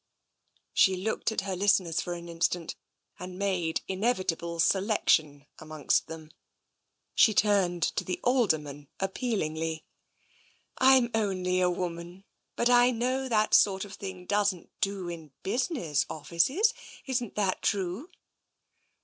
She looked at her listeners for an instant, and made inevitable selection amongst them. She turned to the Alderman appealingly. " Tm only a woman, but I know that sort of thing doesn't do in business offices. Isn't it true?"